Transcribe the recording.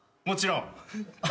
もちろん。